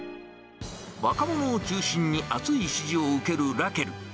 若者を中心に熱い支持を受けるラケル。